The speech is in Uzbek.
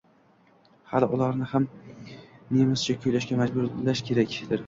Hali ularni ham nemischa kuylashga majburlash kerakdir